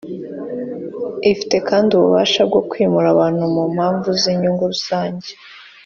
Ifite kandi ububasha bwo kwimura abantu ku mpamvu z’inyungu rusange.